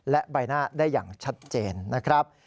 และใบหน้าได้อย่างชัดเจนนะครับ